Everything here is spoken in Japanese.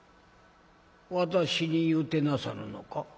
「私に言うてなさるのか？」。